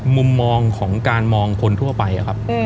มุมมองของการมองคนทั่วไปครับ